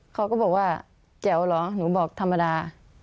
เขาก็บอกว่าแจ๋วเหรอหนูบอกธรรมดา